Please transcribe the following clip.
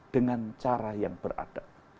dengan cara yang berada